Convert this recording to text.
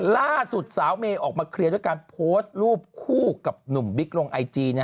ล่าสุดสาวเมย์ออกมาเคลียร์ด้วยการโพสต์รูปคู่กับหนุ่มบิ๊กลงไอจี